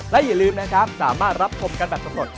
และอย่าลืมนะครับสามารถรับชมกันแบบสำรวจ